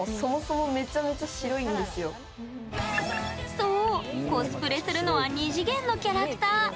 そう、コスプレするのは２次元のキャラクター。